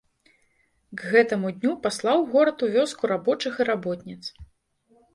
К гэтаму дню паслаў горад у вёску рабочых і работніц.